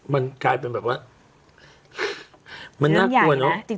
มันกลายเป็นแบบว่ามันน่ากลัวเนอะ